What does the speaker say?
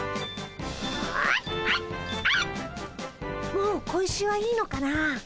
もう小石はいいのかな。